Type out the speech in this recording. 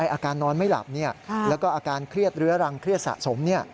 อาการนอนไม่หลับแล้วก็อาการเครียดเรื้อรังเครียดสะสม